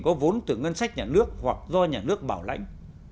có vốn từ ngân sách nhà nước hoặc do nhà nước bảo lãnh